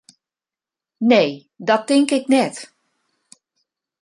Nee, dat tink ik net.